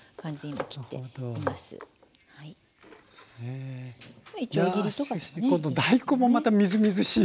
今度大根もまたみずみずしい。